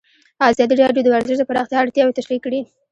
ازادي راډیو د ورزش د پراختیا اړتیاوې تشریح کړي.